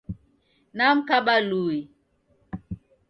Namkaba luwi